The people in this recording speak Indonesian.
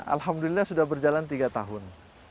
alhamdulillah sudah berjalan tiga tahun